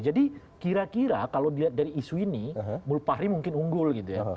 jadi kira kira kalau dilihat dari isu ini mulfahri mungkin unggul gitu ya